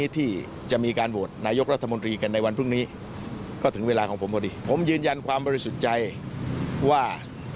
ผมคิดว่าความบริสุทธิ์ใจว่า